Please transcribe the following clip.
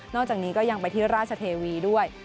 อกจากนี้ก็ยังไปที่ราชเทวีด้วย